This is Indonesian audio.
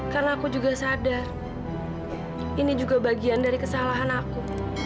karena aku juga sadar ini juga bagian dari kesalahan aku